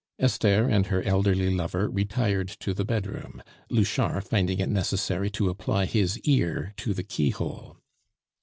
Esther and her elderly lover retired to the bedroom, Louchard finding it necessary to apply his ear to the keyhole.